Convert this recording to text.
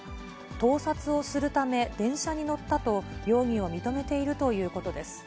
盗撮をするため、電車に乗ったと容疑を認めているということです。